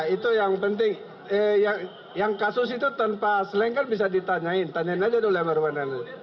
itu yang penting yang kasus itu tanpa slang kan bisa ditanyain tanyain aja dulu yang baru